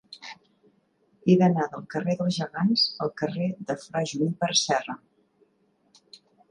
He d'anar del carrer dels Gegants al carrer de Fra Juníper Serra.